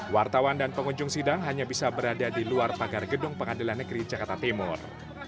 wartawan dan pengunjung sidang hanya bisa berada di luar pagar gedung pengadilan negeri jakarta timur